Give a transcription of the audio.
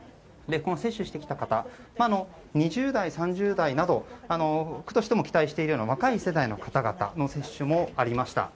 接種してきた方は２０代、３０代など区としても期待しているような若い世代の方々の接種もありました。